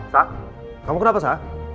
sa kamu kenapa sa